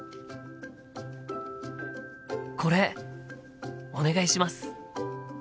これお願いします。